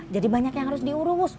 jadi banyak yang harus diurus